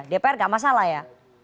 dpr enggak masalah ya